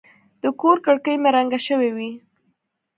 د کور کړکۍ مې رنګه شوې وې.